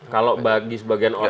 kalau bagi sebagian orang